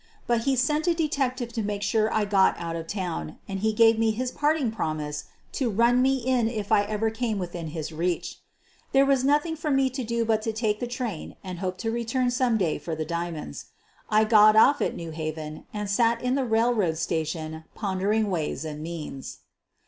But he sent a detective to make sure I got out of town, and he gave me his parting promise to run me in if I ever came within his reach. There was nothing for me to do but to take the train and hope to return some day for the diamonds. QUEEN OF THE BUKGLARS 245 I got off at New Haven and sat in the railroad sta tion pondering ways and means.